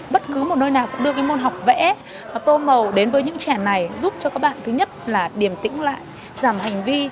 bất cứ nơi nào đưa môn học vẽ tô màu đến với những trẻ này giúp cho các bạn tiểm tĩnh lại giảm hành vi